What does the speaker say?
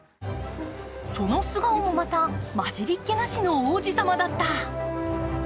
その素顔もまた混じりっけなしの王子様だった。